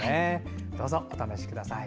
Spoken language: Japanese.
どうぞお試しください。